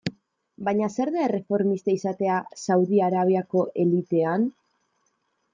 Baina zer da erreformista izatea Saudi Arabiako elitean?